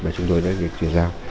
mà chúng tôi đã được chuyển giao